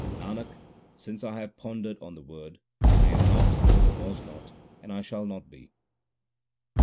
Nanak, since I have pondered on the Word, I am not, I was not, and I shall not be.